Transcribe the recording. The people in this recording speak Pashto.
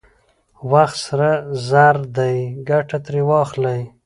وخت سره زر دی، ګټه ترې واخلئ!